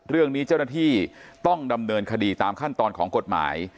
เรื่องนี้เจ้าหน้าที่ต้องดำเนินคดีตามขั้นตอนของกฎหมาย